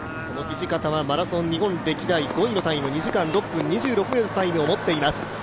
土方はマラソン日本歴代５位のタイム、２時間６分２６秒のタイムを持っています。